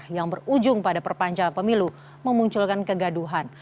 yang berujung pada perpanjangan pemilu memunculkan kegaduhan